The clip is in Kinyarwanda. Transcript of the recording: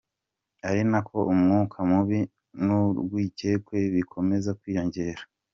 Ari nako umwuka mubi n’urwikekwe bikomeza kwiyongera.